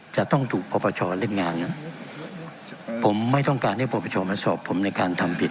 จะต้องถูกปรปชเล่นงานผมไม่ต้องการให้ปรปชมาสอบผมในการทำผิด